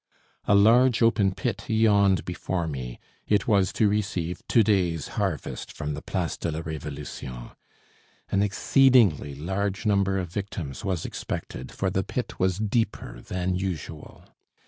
A large, open pit yawned before me. It was to receive to day's harvest from the Place de la Révolution. An exceedingly large number of victims was expected, for the pit was deeper than usual.